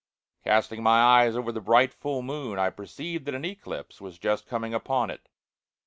Casting my eyes over the bright, full moon, I perceived that an eclipse was just coming upon it.